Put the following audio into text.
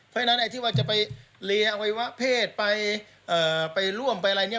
เพราะฉะนั้นไอ้ที่ว่าจะไปเลียอวัยวะเพศไปร่วมไปอะไรเนี่ย